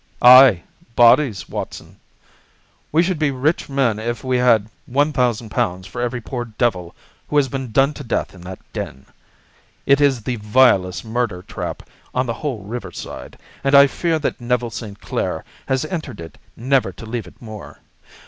"Ay, bodies, Watson. We should be rich men if we had £ 1000 for every poor devil who has been done to death in that den. It is the vilest murder trap on the whole riverside, and I fear that Neville St. Clair has entered it never to leave it more.